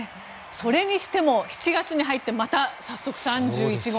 それにしても７月に入ってまた早速３１号。